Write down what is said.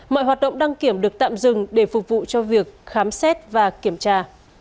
mọi hoạt động đăng kiểm được tạm dừng để phục vụ cho việc khám xét và kiểm tra